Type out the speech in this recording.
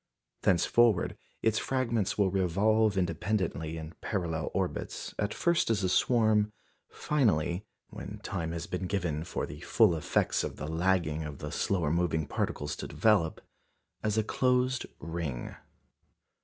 Thenceforward its fragments will revolve independently in parallel orbits, at first as a swarm, finally when time has been given for the full effects of the lagging of the slower moving particles to develop as a closed ring.